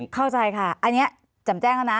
เข้าใจค่ะอันนี้จำแจ้งแล้วนะ